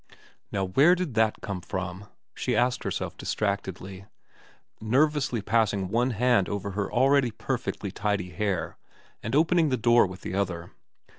... Now where did that come from ? she asked herself distractedly, nervously passing one hand over her already perfectly tidy hair and opening the door with the other.